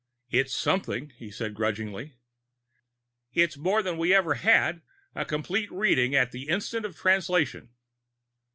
"It's something," he said grudgingly. "It's more than we've ever had a complete reading at the instant of Translation!"